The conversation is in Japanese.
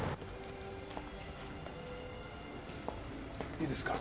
いいですか？